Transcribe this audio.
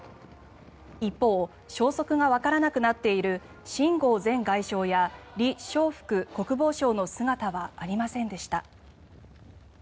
一方消息がわからなくなっている秦剛前外相やリ・ショウフク国防相の姿はありませんでした。